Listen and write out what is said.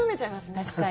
確かに。